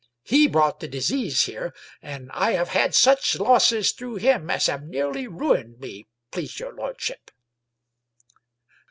He brought the disease here, and I have had such losses through him as have nearly ruined me, please vour lord ship."